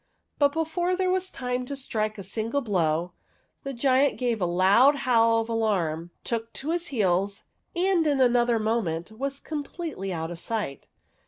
But before there was time to strike a single blow, the giant gave a loud howl of alarm, took to his heels, and in another moment was completely out of sight.